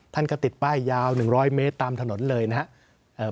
ท่านก็ติดป้ายยาว๑๐๐เมตรตามถนนเลยนะครับ